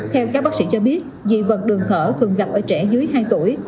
theo các bác sĩ cho biết dị vật đường thở thường gặp ở trẻ dưới hai tuổi